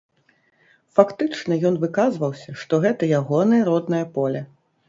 Фактычна ён выказваўся, што гэта ягонае роднае поле.